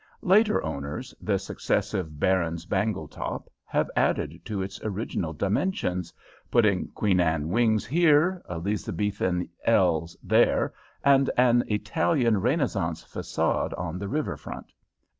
Later owners, the successive Barons Bangletop, have added to its original dimensions, putting Queen Anne wings here, Elizabethan ells there, and an Italian Renaissance facade on the river front.